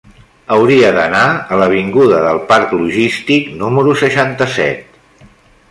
Hauria d'anar a l'avinguda del Parc Logístic número seixanta-set.